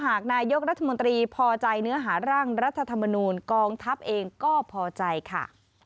หากนายกรัฐมนตรีพอใจเนื้อหาร่างรัฐธรรมนูลกองทัพเองก็พอใจค่ะ